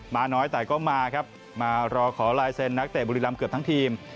มาน้อยแต่ก็มาครับมารอขอลายเซ็นนักเตะบุรีรำเกือบทั้งทีม